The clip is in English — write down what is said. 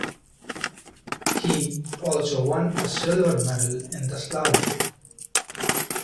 He also won a silver medal in the slalom.